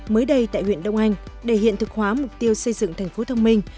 mới đây tại huyện đông anh để hiện thực hóa mục tiêu xây dựng thành phố thông minh